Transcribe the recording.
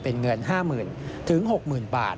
เป็นเงิน๕๐๐๐๖๐๐๐บาท